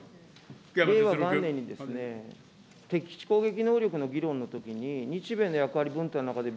令和元年に敵基地攻撃能力の議論のときに、日米の役割分担の中で、